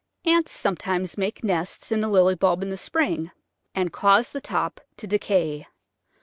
Ants sometimes make nests in the Lily bulb in the spring, and cause the top to decay.